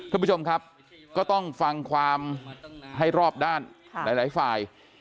ท่านผู้ชมครับก็ต้องฟังความให้รอบด้านหลายฝ่าย